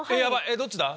どっちだ